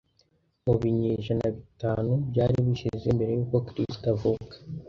mu binyejana bitanu byari bishize mbere y'uko Kristo avuka